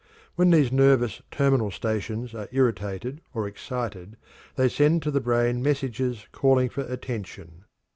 When these nervous terminal stations are irritated or excited, they send to the brain messages calling for attention.